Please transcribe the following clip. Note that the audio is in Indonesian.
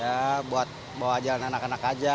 ya buat bawa jalan anak anak aja